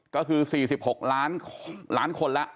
ก็คือ๔๖ล้านคนแล้ว